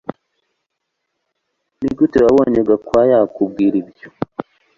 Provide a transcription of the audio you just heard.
Nigute wabonye Gakwaya akubwira ibyo